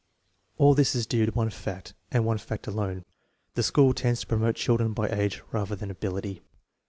All this is due to one fact, and one alone: the school tends to promote children by age rather than ability.